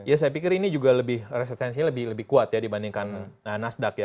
ya saya pikir ini juga lebih resistensinya lebih kuat ya dibandingkan nasdaq ya